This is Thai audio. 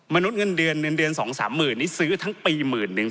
มนุษย์เงินเดือน๒๓หมื่นนี้ซื้อทั้งปีหมื่น